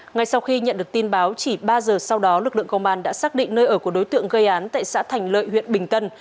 ngay sau khi nhận được tin báo chỉ ba giờ sau đó lực lượng công an đã xác định nơi ở của đối tượng gây án tại xã thành lợi huyện bình tân